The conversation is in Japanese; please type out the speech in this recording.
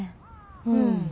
うん。